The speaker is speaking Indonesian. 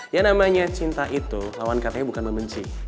yang namanya cinta itu lawan katanya bukan membenci